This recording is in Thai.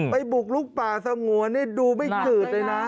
บุกลุกป่าสงวนนี่ดูไม่จืดเลยนะ